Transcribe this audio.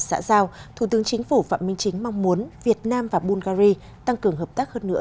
xã giao thủ tướng chính phủ phạm minh chính mong muốn việt nam và bulgari tăng cường hợp tác hơn nữa